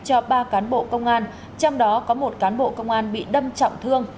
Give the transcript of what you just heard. cho ba cán bộ công an trong đó có một cán bộ công an bị đâm trọng thương